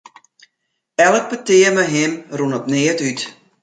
Elk petear mei him rûn op neat út.